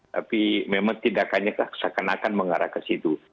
tapi memang tindakannya seakan akan mengarah ke situ